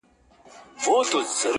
چي زما په لورې بيا د دې نجلۍ قدم راغی